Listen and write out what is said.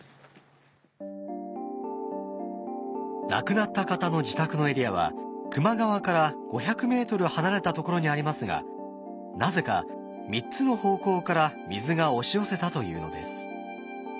亡くなった方の自宅のエリアは球磨川から５００ｍ離れたところにありますがなぜか３つの方向から水が押し寄せたというのです。